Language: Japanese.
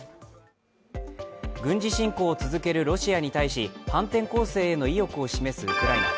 軍事侵攻を続けるロシアに対し、反転攻勢への意欲を示すウクライナ。